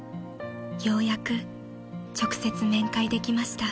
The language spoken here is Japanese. ［ようやく直接面会できました］